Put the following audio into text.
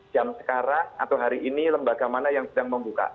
jam sekarang atau hari ini lembaga mana yang sedang membuka